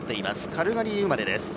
カルガリー生まれです。